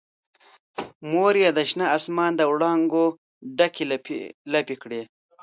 مور یې د شنه اسمان دوړانګو ډکې لپې کړي